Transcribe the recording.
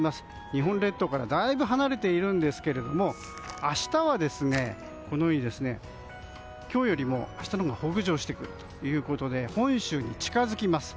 日本列島からだいぶ離れているんですけれども今日よりも明日のほうが北上してくるということで本州に近づきます。